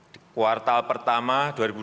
di kuartal pertama dua ribu dua puluh